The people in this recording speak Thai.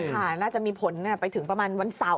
น่าจะมีผลไปถึงประมาณวันเสาร์